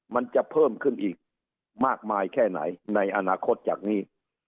มันจะเพิ่มขึ้นอีกมากมายแค่ไหนในอนาคตจากนี้